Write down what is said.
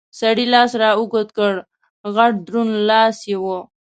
سړي لاس را اوږد کړ، غټ دروند لاس یې و.